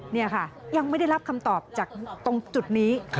นี่ค่ะยังไม่ได้รับคำตอบจากตรงจุดนี้